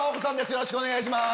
よろしくお願いします。